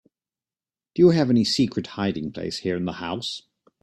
Do you have any secret hiding place here in the house?